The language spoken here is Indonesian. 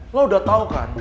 lo udah tau kan